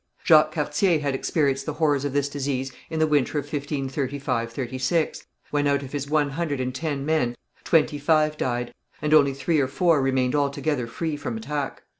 Jacques Cartier had experienced the horrors of this disease in the winter of 1535 6, when out of his one hundred and ten men twenty five died, and only three or four remained altogether free from attack.